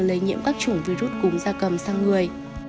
lây nhiễm các chủng virus cúm da cầm sang người